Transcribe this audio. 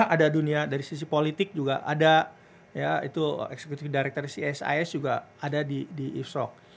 ada dunia dari sisi politik juga ada ya itu executive director csis juga ada di yusrok